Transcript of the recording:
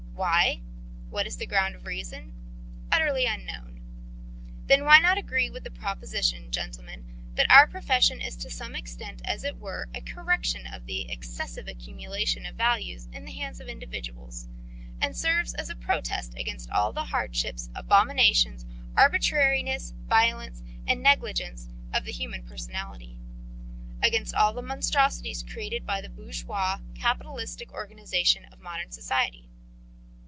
Why? What is the ground of reason? Utterly unknown. Then why not agree with the proposition, gentlemen, that our profession is to some extent as it were a correction of the excessive accumulation of values in the hands of individuals, and serves as a protest against all the hardships, abominations, arbitrariness, violence, and negligence of the human personality, against all the monstrosities created by the bourgeois capitalistic organisation of modern society?